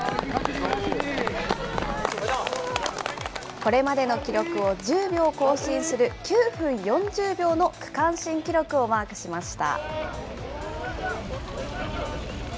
これまでの記録を１０秒更新する、９分４０秒の区間新記録をマークしました。